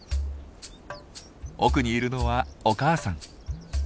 奥にいるのはお母さん。